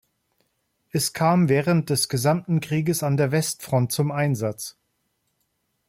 Es kam während des gesamten Krieges an der Westfront zum Einsatz.